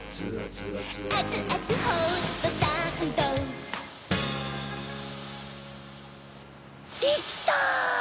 アツアツホットサンドできた！